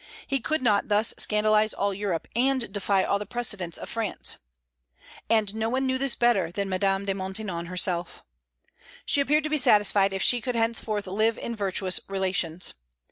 He could not thus scandalize all Europe, and defy all the precedents of France. And no one knew this better than Madame de Maintenon herself. She appeared to be satisfied if she could henceforth live in virtuous relations.